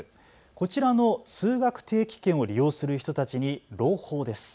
こちらの通学定期券を利用する人たちに朗報です。